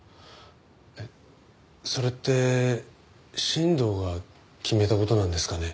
えっそれって新藤が決めた事なんですかね？